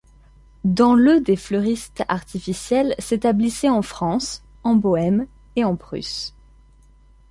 Dans le des fleuristes artificiels s’établissaient en France, en Bohême et en Prusse.